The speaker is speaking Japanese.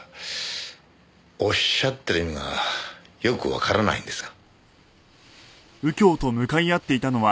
おっしゃってる意味がよくわからないんですが。